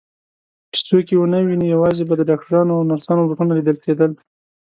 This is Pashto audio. چې څوک یې ونه ویني، یوازې به د ډاکټرانو او نرسانو بوټونه لیدل کېدل.